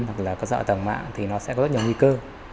hoặc là cơ sở hạ tầng mạng thì nó sẽ có rất nhiều nguy cơ